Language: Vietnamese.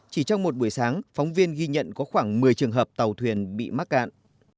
chỉ trong một buổi sáng phóng viên ghi nhận có khoảng một mươi trường hợp tàu thuyền bị mắc cạn